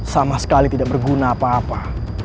sama sekali tidak berguna apa apa